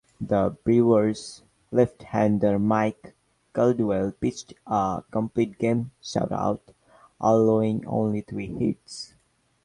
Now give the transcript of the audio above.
The Brewers' left-hander Mike Caldwell pitched a complete game shutout, allowing only three hits.